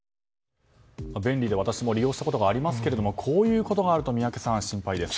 便利で私も利用したことがありますけどこういうことがあると宮家さん、心配です。